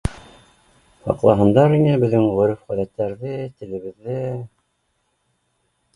Һаҡлаһындар ине беҙҙең ғөрөф-ғәҙәттәрҙе, телебеҙҙе